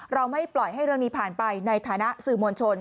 เราไม่ปล่อยให้เรื่องนี้ผ่านไปในฐานะสื่อมวลชน